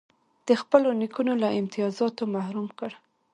د خپلو نیکونو له امتیازاتو محروم کړ.